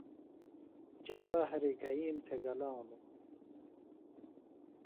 جبہ ہریۡ گھئیم تھےۡ گلانوۡ۔